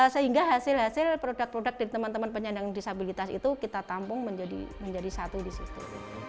sehingga hasil hasil produk produk dari teman teman penyandang disabilitas itu kita tampung menjadi satu di situ